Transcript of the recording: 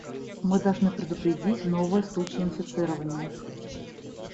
Мы должны предупредить новые случаи инфицирования.